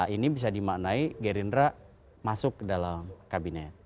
ini bisa dimaknai gerindra masuk dalam kabinet